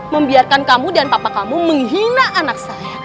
membiarkan kamu dan papa kamu menghina anak saya